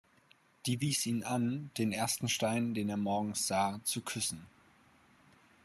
Die wies ihn an, den ersten Stein, den er morgens sah, zu küssen.